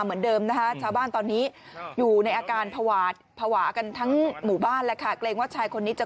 มีดยาวอ่ะแกว่งไปมาแล้วก็